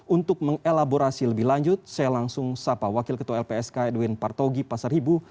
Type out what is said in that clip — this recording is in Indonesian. untuk mengelaborasi lebih lanjut saya langsung sapa wakil ketua lpsk edwin partogi pasar hibur